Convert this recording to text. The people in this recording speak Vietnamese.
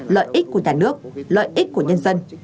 lợi ích của nhà nước lợi ích của nhân dân